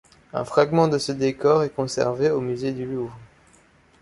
Un fragment de ce décor est conservé au musée du Louvre.